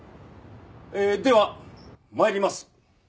では参ります。